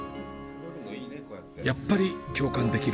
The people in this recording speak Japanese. やっぱり共感できる。